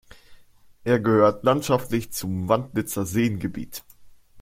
Er gehört landschaftlich zum Wandlitzer Seengebiet.